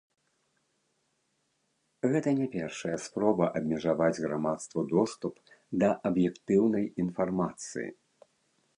Гэта не першая спроба абмежаваць грамадству доступ да аб'ектыўнай інфармацыі.